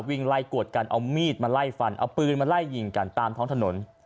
วิ่งไล่กวดกันเอามีดมาไล่ฟันเอาปืนมาไล่ยิงกันตามท้องถนน